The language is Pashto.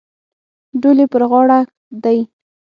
ډول یې پر غاړه دی.